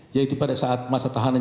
yaitu pada saat masa tahanan